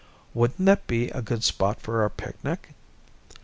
"Wouldn't that be a good spot for our picnic?"